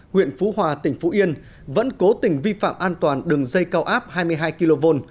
huyện phú hòa tỉnh phú yên vẫn cố tình vi phạm an toàn đường dây cao áp hai mươi hai kv